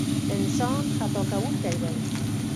انسان خطا کوونکی دی.